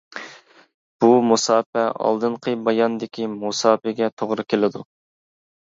بۇ مۇساپە ئالدىنقى باياندىكى مۇساپىگە توغرا كېلىدۇ.